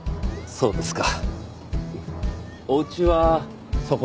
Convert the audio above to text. そうですか。